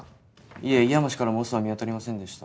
いえ井山からもウソは見当たりませんでした。